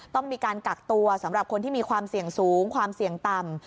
ต้องมีการกักตัวสำหรับคนที่มีความเสี่ยงสูงความเสี่ยงต่ำ